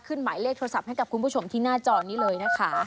หมายเลขโทรศัพท์ให้กับคุณผู้ชมที่หน้าจอนี้เลยนะคะ